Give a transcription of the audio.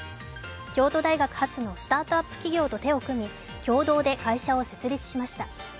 京都大学発のスタートアップ企業と手を組み、共同で会社を設立しました。